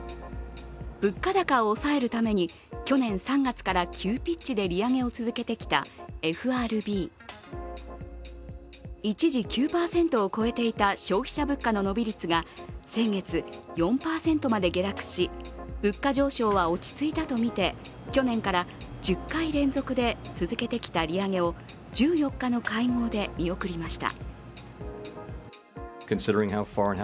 物価高を抑えるために去年３月から急ピッチで利上げを続けてきたＦＲＢ。一時９％を超えていた消費者物価の伸び率が先月、４％にまで下落し物価上昇は落ち着いたとみて去年から１０回連続で続けてきた利上げを１４日の会合で見送りました。